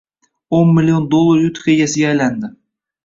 oʻn million dollar yutuq egasiga aylandi.